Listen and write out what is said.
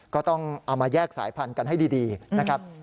ก็ต้องเอามาแยกสายพันธุ์กันให้ดีนะครับ